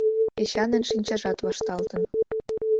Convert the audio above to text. Эчанын шинчажат вашталтын.